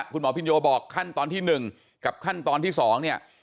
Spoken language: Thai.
คุณหมอพินโยบอกขั้นตอนที่๑กับขั้นตอนที่๒เนี่ย